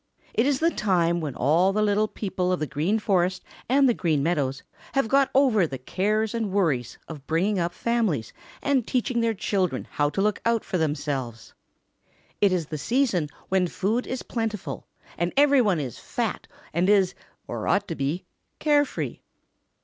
It is the time when all the little people of the Green Forest and the Green Meadows have got over the cares and worries of bringing up families and teaching their children how to look out for themselves. It is the season when food is plentiful, and every one is fat and is, or ought to be, care free.